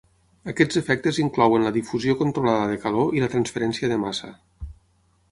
Aquests efectes inclouen la difusió controlada de calor i la transferència de massa.